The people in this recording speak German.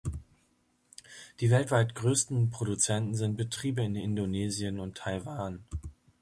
Die weltweit größten Produzenten sind Betriebe in Indonesien und Taiwan.